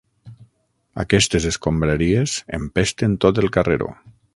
Aquestes escombraries empesten tot el carreró.